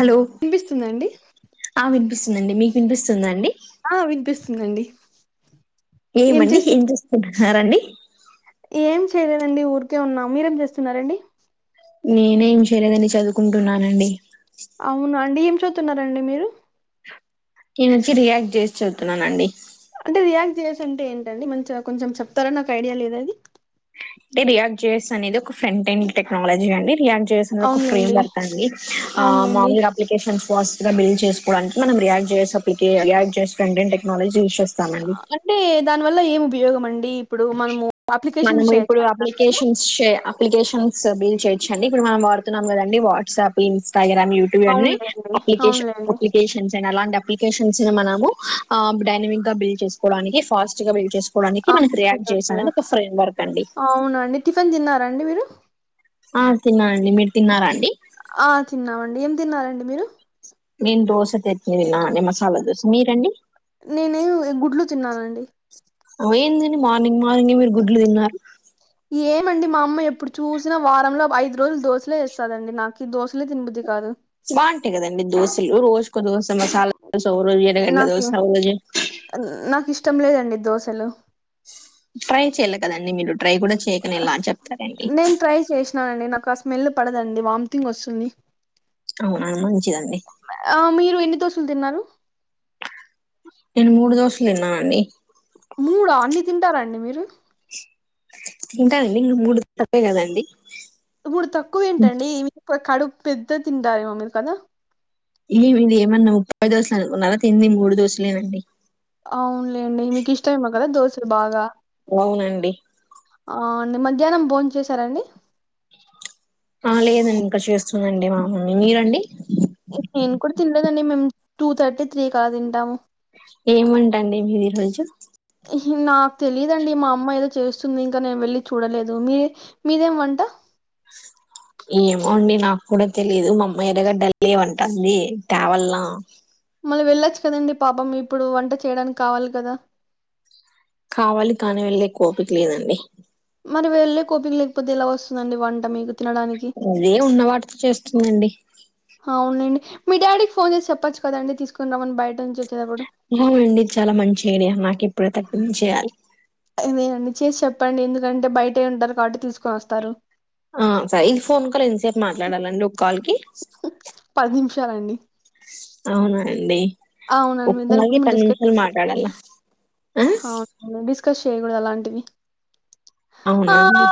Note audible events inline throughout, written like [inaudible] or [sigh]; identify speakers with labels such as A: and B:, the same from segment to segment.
A: Hello
B: వినిపిస్తుందండి
A: ఆ వినిపిస్తుందండి. మీకు వినిపిస్తుందా అండి?
B: ఆ వినిపిస్తుందండి.
A: ఏమండి? ఏం చేస్తుంటున్నారండి
B: ఏం చేయలేదండి ఊరికే ఉన్నా మీరేం చేస్తున్నారండి
A: నేనేం చేయలేదని చదువుకుంటున్నానండి
B: అవునా అండి ఏం చదువుతున్నారండి మీరు
A: నేను వచ్చి రియాక్ట్ చేసి చదుతున్నానండి
B: అంటే రియాక్ట్ చేసి అంటే ఏంటండి మంచిగ కొంచెం చెప్తారా నాకు ఐడియా లేదు అది
A: అంటే రియాక్ట్ జెస్ అనేది ఒక ఫ్రంటెన్ టెక్నాలజీ అండి రియాక్ట్ జేసే ఒక
B: అవునులేండి
A: ఫ్రేమ్వర్క్ అండి
B: అవునులేండి
A: మామూలుగా అప్లికేషన్స్ ఫాస్టుగా బిల్ చేస్కోడానికి మనం రియాక్ట్ జెస్ అప్లికేయల్ రియాక్ట్ జెస్ కంటే ఫ్రంట్ అండ్ టెక్నాలజి యూస్ చే స్తామండి
B: అంటే దాని వల్ల ఏం ఉపయోగం అండి ఇప్పుడు మనము
A: మనం
B: అప్లికేషన్స్ చేయొచ్చా
A: ఇప్పుడు అప్లికేష న్స్ అప్లికేషన్స్ బిల్ చేయొచ్చండి ఇప్పుడు మనం వాడుతున్నాం కదండి వాట్సాప్ ఇన్స్టగ్రామ్ యూట్ ట్యూబ్ ఇవన్నీ
B: అవునులేండి
A: అప్లికేషన్ అప్లీ
B: అవునులేండి
A: అప్లికేషన్స్ అయినా అలాంటి అప్లికేషన్స్ మనము డైనమిక్గా బిల్డ్ చేస్కోడానికి ఫాస్ట్గా బిల్డ్ చేస్ కోడానికి
B: ఆ
A: మన రియాక్ట్ చేసా అని ఒక ఫ్రేమ్ వర్క్ అండి
B: అవునా అండి టిఫిన్ తిన్నారా అండి మీరు
A: ఆ తిన్నానండి మీరు తిన్నారా అండి
B: ఆ తిన్నామండి ఏం తిన్నారండి మీరు
A: నేన్ దోస తేట్ని తిన్నానండి మసాల దోస మీరండి
B: నేనే గుడ్లు తిన్నానండి
A: ఓ ఏందండి మార్నింగ్ మార్నింగ్ మీరు గుడ్లు తిన్నారు
B: ఏమండి మా అమ్మ ఎప్పుడు చూసినా వారంలో ఐదు రోజులు దోసలే ఏస్తాదండి నాకు దోసలే తినబుద్ధి కాదు
A: బాగుంటయి కదండి దోశలు రోజుకోదోశ మసాలా దోశ ఓ రోజు ఎరగడ్ల
B: నాకు
A: దోశ ఓ రోజు
B: నాకు ఇష్టం లేదండి దోశలు
A: ట్రై చెయలే కదండి మీరు ట్రై కూడా చేయ్యకనేలా అని చెప్తారండి
B: నేను ట్రై చేష్ నానండి నాకు ఆ స్మెల్ పడదండి వామిటింగ్ వస్తుంది
A: అవునా మంచిదండి
B: ఆ మీరు ఎన్ని దోశలు తిన్నారు
A: నేను మూడు దోశలు తిన్నానండి
B: మూడా అన్ని తింటారా అండి మీరు
A: తింటనండి ఇ మూడు తక్కువే కదండి
B: మూడు తక్కువేంటండి మీ కడుపు పెద్ద తింటారేమో మీరు కదా
A: ఈ మీది ఏమన్న ముప్పై దోసలు అనుకున్నారా తింది మూడు దోసలేనండి
B: అవునులేండి మీకు ఇష్టమేమో కద దోశలు బాగా
A: అవునండి
B: ఆ అండి మధ్యాహ్నం బోన్ చేశారా అండి
A: ఆ లేదండి ఇంక చేస్తుందండి మా మమ్మీ మీరండి
B: నేను కూడ తినలేదండి మేము టూ థర్టీ త్రీకలా తింటాము
A: ఏం వంట అండి మీది ఈ రోజు
B: నాకు తెలీదండి మా అమ్మ ఏదో చేస్తుంది ఇంకా నేను వెళ్ళి చూడలేదు మీరు మీదేం వంట
A: ఏమో అండి నాకు కూడా తెలీదు మా అమ్మ ఎర్రగడ్డలు లేవ్ అంటోంది తావెల్నా
B: మరి వెళ్ళొచ్చు కదండి పాపం ఇప్పుడు వంట చేయడానికి కావాలి కదా
A: కావాలి కానీ వెళ్ళేకోపిక లేదండి
B: మరి వెళ్ళే కోపిక లేకపోతే ఎలా వస్తుందండి వంట మీకు తినడానికి
A: అదే ఉన్నవాటితో చేస్తుతున్నండి
B: అవునండి మీ డాడీకి ఫోన్ చేసి చెప్పచ్చు కదండి తీసుకోని రమని బయట నుంచి వచ్చేటప్పుడు
A: అవునండి చాలా మంచి ఏడియా నాకు ఇప్పుడ తగ్గించ చేయాలి
B: నే అన్ని చేసి చెప్పండి ఎందుకంటే బయట ఉంటరు కాబట్టి తీసుకొనోస్తారు
A: ఆ సేజ్ ఫోన్కాల్ ఎంతసేపు మాట్లాడాలండి ఒకాల్ కి
B: పది నిమిషాలండి
A: అవునా అండి
B: అవునండి మీ
A: ఉప్ప
B: దాని
A: మళ్ళీ
B: గురించి
A: పది
B: డిస్కస్
A: నిమిషాలు
B: చేయండి.
A: మాట్లాడలా ఆ
B: డిస్కస్ చేయకూడదు అలాంటిది
A: అవునా
B: ఆ
A: అండి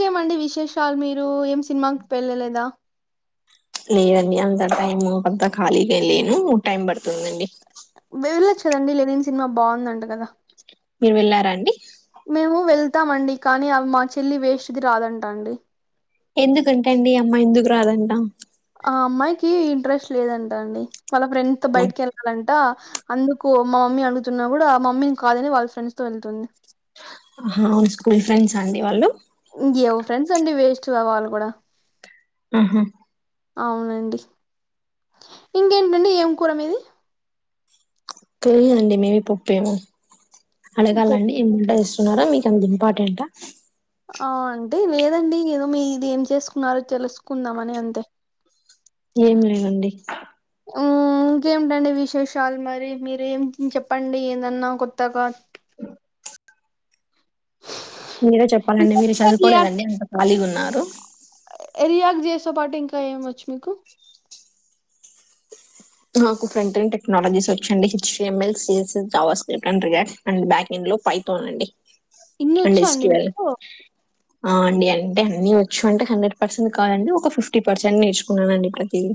B: కేమండి విశేషాలు మీరు ఏం సినిమాక్పెళ్ళలేదా
A: లేదండి అంత టైం కొంత ఖాళీగా లేను టైం పడుతుందండి
B: వేళ్లొచ్చదండి లెనిన్ సినిమా బాగుందంట కదా
A: మీరు వెళ్ళారా అండి
B: మేము వెళ్తామ అండి కానీ అవి మా చెల్లి వేస్ట్ది రాదంట అండి
A: ఎందుకుంట అండి అమ్మ ఎందుకురాదంట
B: ఆ అమ్మాయికి ఇంట్రెస్ట్ లేదంట అండి తన ఫ్రెండ్తో బయటకేళ్ళాలంట అందుకు మా మమ్మీ అడుగుతున్న కూడా మమ్మీని కాదని వాళ్ళ ఫ్రెండ్స్తో వెళ్తుంది
A: ఆ స్కూల్ ఫ్రెండ్స అండి వాళ్ళు
B: ఏం ఫ్రెండ్స్ అండి వేస్ట్ గా వాళ్ళు కూడా
A: ఆహ
B: అవునండి ఇంకేంటండి ఏం కూర మీది
A: తేలిదండి మేబి పప్పేమో
B: పప్పు
A: అడగాలండి ఏంట ఉన్నారా మీకు అంత ఇంపార్టెంటా
B: ఆ అంటే లేదండి ఏదో మీది ఏం చేసుకున్నారో తెలుసుకుందాం అని అంతే ఆ
A: ఎం లేదండి
B: ఆ ఇంకేటండి విశేషాలు మరి మీరేం చెప్పండి ఏదన్నా కొత్తగా
A: మీరే చెప్పాలండి మీరు చదువుకోలేదండి అంత ఖాళీగున్నారు
B: రియాక్ట్ చేసే పాటు ఇంకా ఏమివచ్చు మీకు
A: నాకు ఫ్రంటరింగ్ టెక్నాలజీస్ వచ్చిండి H T ML JavaScript అంటరుగా అండ్ బ్యాకింగ్ పైతోనండి
B: ఇన్ని
A: అండ్
B: వచ్చా అండి
A: ఎస్క్యూఎల్
B: మీకు?
A: ఆ అండి అంటే అన్ని వచ్చు అంటే హండ్రెడ్ పర్సెంట్ కాదండి ఒక ఫిఫ్టీ పర్సెంట్ నేర్చుకున్నానండిఅండి ప్రతిది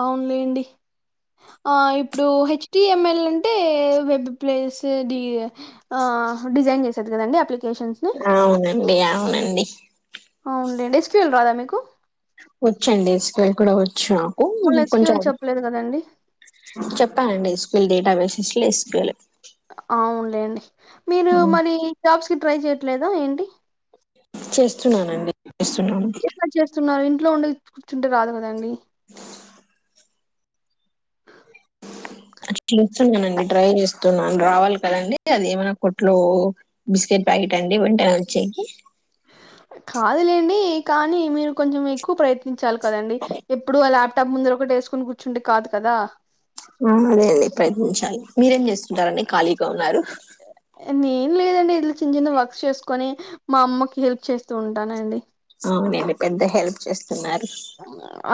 B: అవునులేండి ఆ ఇప్పుడు హెచ్టిఎంఎల్ అంటే వెబ్ ప్లేస్ డి ఆ డిజైన్ చేసేది కదండి అప్లికేషన్స్
A: ఆవునండి అవునండి
B: అవునులేండి ఈస్ట్రియల్ రాదా మీకు
A: వచ్చండి స్కీల్ కూడా వచ్చు నాకు
B: మళ్ళీ
A: కొంచెం
B: ఎస్‌క్యూఎల్ చెప్పలేదు కదండీ.
A: చెప్పానండి ఎసుపీల్ డేటా వేసెస్లో ఎస్పీఎలే
B: అవునులేండి మీరు మరి జాబ్స్కి ట్రై చేయ్యట్లేదా ఏంటి
A: చేస్తున్నానండి చేస్తున్నాను
B: ఎట్ల చేస్తున్నారు ఇంట్లో ఉండ కూర్చుంటే రాదు కదండి
A: అ అష్టిస్తున్నానండి డ్రైవ్ ఇస్తున్నా రావాలి కదండి అది ఏమనా కొట్లో బిస్కెట్ ప్యాకెటండి వెంట ఒచ్చేకి
B: కాదులేండి కానీ మీరు కొంచెం ఎక్కువ ప్రయత్ ఇంచాలి కదండి ఎప్పుడు ఆ ల్యాప్టాప్ ముందర ఒకటి యేసుకొని గూర్చుంటే కాదు కదా
A: ఆహ లేదు లే ప్రయత్నించాలి మీరేం జేస్తుంటారని ఖాళీగా ఉన్నారు
B: ఎ నేన్ లేదండి ఎల్లి చిన్న చిన్న వర్క్స్ చేసుకుని మా అమ్మకి హెల్ప్ చేస్తూ ఉంటానండి
A: అవునండి పెద్ద హెల్ప్ చేస్తున్నారు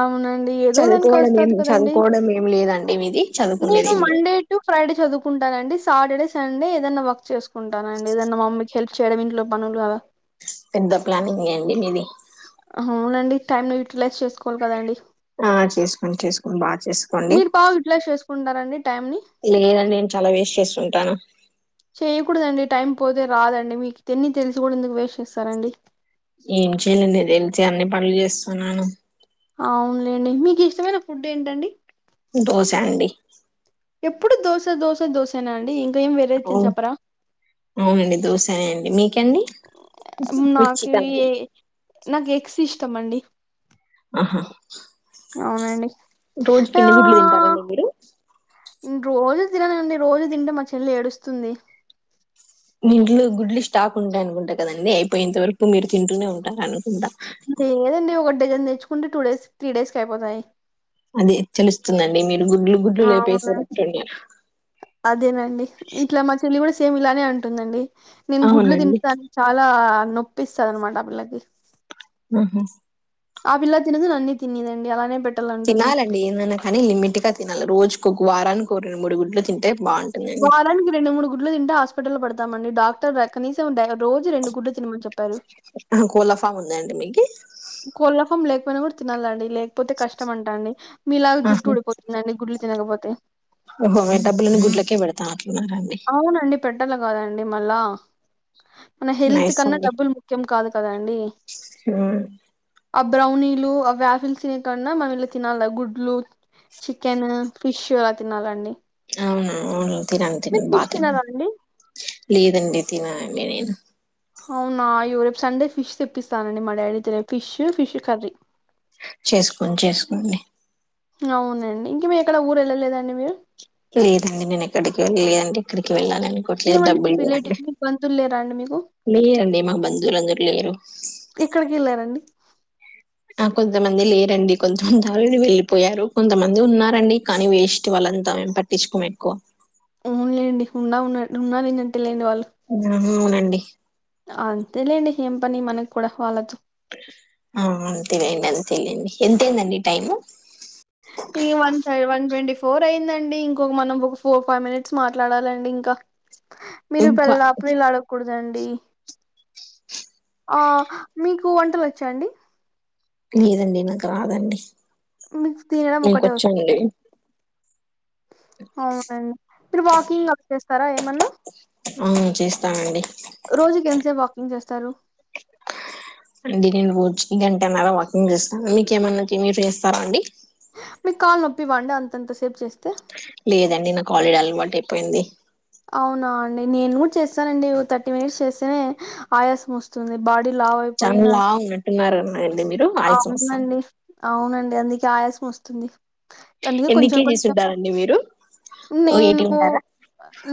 B: అవునండి ఏదో దానికి
A: చదువుకోవడం
B: వస్తది
A: ఏమి
B: కదండి.
A: చదువుకోవడం ఏమి లేదండి మీది చదువుకుండేద్ ఏమి లేద్
B: టూ ఫ్రైడే చదువుకుంటానండి సాటర్డే సండే ఏదన్నా వర్క్ చేసుకుంటానండి ఏదన్నా మమ్మీ హెల్ప్ చేయడం ఇంట్లో పనులు అల
A: పెద్ద ప్లానింగె అండి మీది
B: హవునండి టైమ్ ను యూటిలైజ్ చేసుకోవాలి కదండి
A: ఆ చేసుకోన్ చేసుకోన్ బా చేసుకోండి
B: ఇప్లై చేసుకుంటారండి టైమ్ని
A: లేదండి నేన్ చాలా వెస్ట్ చేషూంటాను
B: చెయ్యకూడదండి టైం పోతే రాదండి మీకు తెన్ని తెలిసు గూడ ఎందుకు వేష్ చేస్సారండి
A: ఏం చేయనండి [unintelligible] అన్ని పనులు జేస్తున్నాను
B: ఆవునులేండి మీకిష్టమైన ఫుడ్ ఏంటండి
A: దోషా అండి
B: ఎప్పుడు దోశ దోశ దోసేనాండి ఇంకేం వెర్
A: ఓ అవునండి దోశనే అండి మీకండి వి చికెన్ అండి
B: నాక్ ఎక్స్ ఇష్టమండి
A: అహా
B: అవునండి ఆ
A: గుడ్లు తింటారండి మీరు
B: న్ రోజు తిననండి రోజు దింటే మా చెల్లేడుస్తుంది
A: మీంట్లో గుడ్లి స్టాక్ ఉంటాయనుకుంటా కదండి అయిపోయింత వరకు మీరు తింటూనే ఉంటారనుకుంటా
B: లేదండి ఒక డేజన్ తెచ్చుకుంటే టూ డేస్ త్రీ డేస్ కయిపోతాయ్
A: అది తెలుస్తుందండి మీరు గుడ్లు గుడ్లు
B: అవునా
A: లేపేసేటట్టున్నారు
B: అదేనండి ఇట్లా మా చెల్లి గూడా సేమ్ ఇలానే అంటుందండి నేను గుడ్లు
A: అవునండి
B: తింట్ తాను చాలా నొప్పిస్తదనమాట ఆ పిల్లకి
A: మ్మ్ హు
B: ఆ పిల్లా తినదు నన్నీ తినేదండి అలానే పెట్
A: తినాలండి ఏదైనా కానీ లిమిట్ గా తినాలి రోజుకి ఒక వారానికి ఒ రెండు మూడు గుడ్లు తింటే బాగున్
B: వారానికి రెండు మూడు గుడ్లు తింటే హాస్పిటల్లో పడతామండి డాక్టర్ ర కనీసం డై రోజు రెండు గుడ్లు తినమని చెప్
A: అహ్ కోలా ఫామ్ ఉందండి మీకి
B: కోళ్ల ఫమ్ లేక్ పోయినా గూడ తినాలండి లేక్ పోతే కష్టం అంటా అండి మీలాగ జుట్టు
A: ఆహా
B: ఊడిపోతుందండి గుడ్లు తినకపోతే
A: ఓహో మే డబ్బులను గుడ్లకే పెడతా అట్న్నారండి
B: అవునండి పెట్టాల గాదండి మళ్ళా మన హెల్త్
A: నైస్
B: కన్నా
A: అండి
B: డబ్బులు ముఖ్యం కాదు కదాండి
A: ఉమ్
B: ఆ బ్రౌనీలు ఆ వ్యాఫిల్ తినే కాన్నా మనం ఇల్లా తినాలె గుడ్లు చికెను ఫిష్ అలా తినాలండి
A: అవును అవును తినను
B: మీరు
A: తిన్నను బా
B: ఫిష్
A: తిన్నను
B: తినారా అండి
A: లేదండి తిననండి నేను
B: హవునా అయ్యో రేప్ సండే ఫిష్ తెప్పిస్తానండి మా డాడీ తెలి ఫిష్ ఫిష్ కర్రీ
A: చేసుకోన్ చేసుకోండి
B: అవునండి ఇంకేం మీరేక్కడ ఊరు వెళ్ళలేదా అండి మీరు
A: లేదండి నేను ఎక్కడికి వెళ్ళలేదండి ఎక్కడికి వెళ్ళాలని కొట్లేదు
B: ఏమండి మీకు రిలేటివ్
A: డబ్బులేవండి
B: మీకు బంధువులు లేరా అండి మీకు
A: లేరండి మా బంధువులందరు లేరు
B: ఎక్కడ్కెళ్ళారండి
A: ఆ కొంతమంది లేరండి కొంతమంది ఆల్రెడీ వెళ్ళిపోయారు కొంతమంది ఉన్నారండి కానీ వేస్ట్ వాళ్ళంతా ఏం పట్ ట్టించుకోం ఎక్కువ
B: వున్లేండి ఉన్నా ఉన్నా ఉన్నా లేనట్టే లేండి వాళ్ళు
A: మ్మ్ అవునండి
B: అంతేలేండి ఏం పని మనకు కూడా వాళ్ళతో
A: ఆ అంతేలేండి అంతేలేండి ఎంతైందండి టైమ్
B: కి వన్థ వన్ ట్వంటీ ఫోర్ అయిందండి ఇంకొక మనం ఒక ఫోర్ ఫైవ్ మినిట్స్ మాట్లాడాలండి ఇంకా హ మీరు
A: ఇంకా
B: పల్లపులు ఇలా అడకూడదండి ఆ మీకు కు వంటలు వచ్చ అండి
A: లేదండి నాకు రాదండి
B: మీకు తినడం ఒకటే వస్తుందా
A: ఇంకొచ్చండి
B: అవునండి మీరు వాకింగ్ అలా చేస్తారా ఏమన్నా
A: అవును చేస్తామండి
B: రోజుకి ఎంతసేపు వాకింగ్ చేస్తారు
A: అండి నేను వచ్చిన వెంటనే వాకింగ్ చేస్తాను మీకేమన్నా తిని చేస్తారా అండి
B: మీకు కాలు నొప్పివ అండి అంతంత సేపు చేస్తే
A: లేదండి నాకు ఆల్రెడీ అయిపోయింది
B: అవునా అండి నేను కూడా చేస్తానండి ఓ థర్టీ మినిట్స్ చేస్తేనే ఆయాసం వస్తు స్తుంది బాడీ లా
A: చానా లావు ఉన్నట్టు ఉన్నారు కదండి మీరు ఆయుష్ సంవత్సరాలు
B: అవునండి అవునండి అందుకే ఆయాసం వస్తుంది అందుకే
A: ఎన్ని
B: కొంచెం
A: కేజీస్
B: కొంచం
A: ఉంటారండి మీరు ఓ
B: నేను
A: ఎయిటీ
B: పో
A: ఉంటారా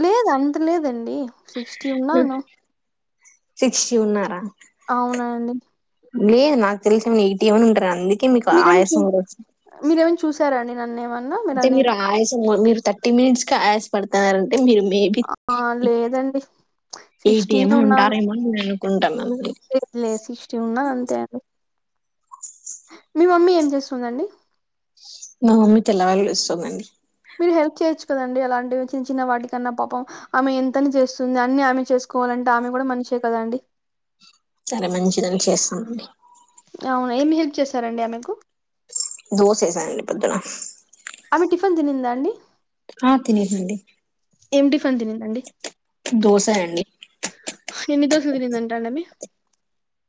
B: లేదు అంత లేదండి సిక్స్టీ ఉన్నాను
A: సిక్టీ ఉన్నారా
B: అవున అండి
A: లేదు నాకు తెలిసిఏమన్న ఎయిటీ ఏమన్న ఉంటారు అందుక
B: మీరేమనా చూ మీరేమన్న చూసార అండి మీరు నన్ను ఏమన్నా
A: అంటే మీరు ఆయాసం మీరు థర్టీ మినిట్స్ కే ఆయాస పడుతున్నారంటే మీరు మీ బి
B: ఆ! లేదండి.
A: ఎయిటి ఏమన్న ఉంటారేమని నేను అనుకుంటున్న అండి
B: లే సిక్స్టీ ఉన్నా అంతే అండి మీ మమ్మీ ఏం చేస్తుందండి
A: మా మమ్మీ తెల్లవాయలు తెస్తుందండి
B: మీరు హెల్ప్ చేయొచ్చు కదండి అలాంటివి చిన్న చిన్న వాటికన్నా పాపం ఆమె ఎంతని చేస్తుంది అన్ని ఆమె చేసుకోవాలంటే ఆమె కూడా మనిషే కదండి
A: చాలా మంచిదని చేస్తుందండి
B: అవునా ఏమి హెల్ప్ చేశారండి ఆమెకు
A: దోస ఏసానండి పొద్దున
B: ఆమె టిఫిన్ తినింద అండి
A: ఆ తినీదండి
B: ఏం టిఫిన్ తినిందండి?
A: దోస అండి
B: ఎన్ని దోసలు తినింది అంటది అండి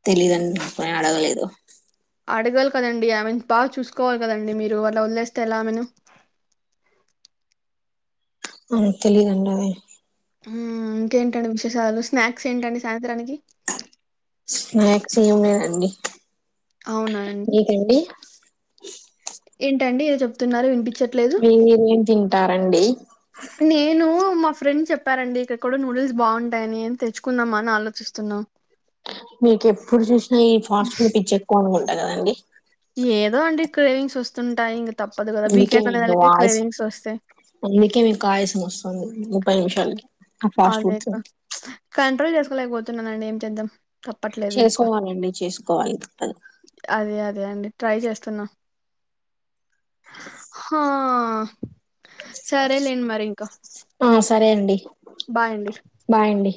A: తెలీదండి నేను అడగలేదు
B: అడగాలి కదండి ఐ మీన్ బాగా చూసుకోవాలి కదండి మీరు అట్లా వదిలేస్తే ఎలా ఆమెను
A: మనకు తెలిదండవి
B: ఊ ఇంకేంటండి విశేషాలు స్నాక్స్ ఏంటండి సాయంత్రానికి
A: స్నాక్స్ ఏం లేదండి
B: అవునా అండి
A: డి
B: ఏంటండి ఏదో చెప్తున్నారు వినిపించ
A: మీరేం తింటారండి
B: నేను మా ఫ్రెండ్ చెప్పారండి ఇక్కడ కూడా నూడిల్స్ బాగుంటాయని ఏం తెచ్చుకుందాం అని ఆలోచిస్తున్నాం
A: మీకు ఎప్పుడు చూసినా ఈ ఫస్ట్ ఫుడ్ పిచ్చి ఎక్కువ అనుకుంటా కదండి
B: ఏదో అండి క్రేవింగ్స్ వస్తుంటాయి ఇంకా తప్పదు కదా
A: అందుకే
B: వీకెండ్ అండే
A: మీకు
B: వాళ్లకి
A: వాయిస్
B: క్రేవింగ్స్ వస్తాయి
A: అందుకే మీకు ఆయసం వస్తుంది ముప్పై నిమిషాలకి ఆ ఫాస్ట్ ఫుడ్స్
B: అదేకా కంట్రోల్ చేసుకోలేకపోతున్నానండి ఏం చేద్దాం తప్పట్లేదు ఇంకా
A: చేసుకోవాలండి చేసుకోవాలి తప్పదు
B: అదే అదే అండి ట్రై చేస్తున్నా హా సరేలేండి మరి
A: ఆ సరే అండి
B: బాయండి
A: బాయండి